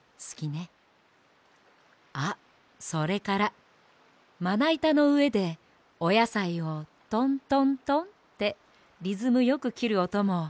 あっそれからまないたのうえでおやさいをトントントンってリズムよくきるおともいいわね。